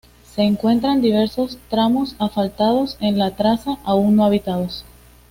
Se encuentran diversos tramos asfaltados en la traza, aún no habilitados.